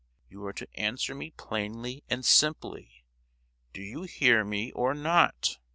You are to answer me plainly and simply. Do you hear me, or not?"